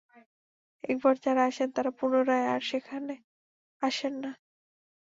একবার যারা আসেন তারা পুনরায় আর সেখানে আসেন না।